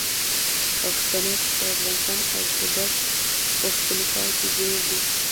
پښتانه په افغانستان او خیبر پښتونخوا کې ډېر دي.